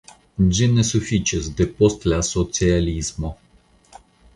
Ĝi ne sufiĉis depost la socialismo.